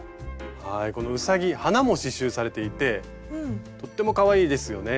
このうさぎ花も刺しゅうされていてとってもかわいいですよね。